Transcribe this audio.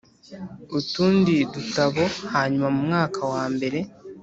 utundi dutabo Hanyuma mu mwaka wa mbere